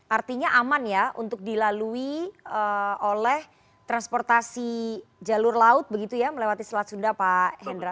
artinya aman ya untuk dilalui oleh transportasi jalur laut begitu ya melewati selat sunda pak hendra